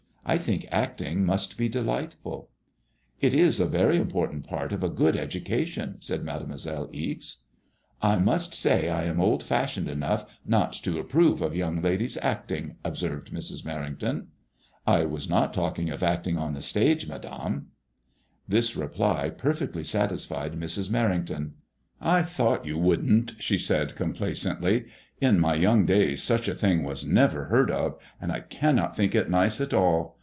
I think acting must be delightful." ^ It is a very important part of a good education/' said Made moiselle Ixe. % MAOSMOISELLK IXK. 39 I must say I am old fashioned enough not to approve of young ladies acting/' observed Mrs. Merrington. I was not talking ot acting on the stage, Madame." This reply perfectly satisfied Mrs. Merrington. ''I thought you wouldn't," she said, com placently. ''In my young days such a thing was never heard of, and I cannot think it nice at all.